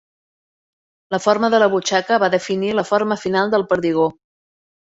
La forma de la butxaca va definir la forma final del perdigó.